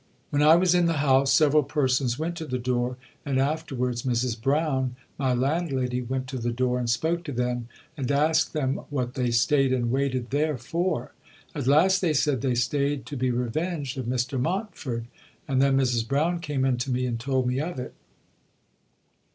When I was in the house several persons went to the door, and afterwards Mrs Browne (my landlady), went to the door, and spoke to them, and asked them what they stayed and waited there for. At last they said they stayed to be revenged of Mr Montford; and then Mrs Browne came in to me and told me of it.'